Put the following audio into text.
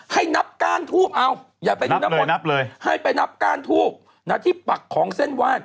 ให้นับก้านทูบเอ้าอย่าไปนับเลยนับเลยให้ไปนับก้านทูบณที่ปักของเส้นว่าน